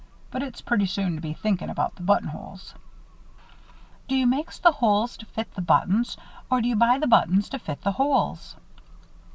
But it's pretty soon to be thinkin' about the buttonholes." "Do you makes the holes to fit the buttons or do you buy the buttons to fit the holes?"